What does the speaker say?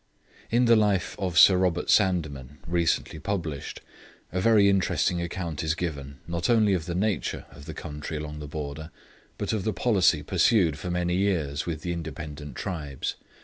In the life of Sir Robert Sandeman recently published, a very interesting account is given, not only of the nature of the country along the border, but of the policy pursued for many years with the independent tribes.